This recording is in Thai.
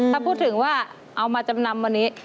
ถ้าพูดถึงว่าเอามาจำนำวันนี้